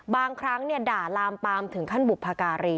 บางครั้งด่าลามปามถึงขั้นบุพการี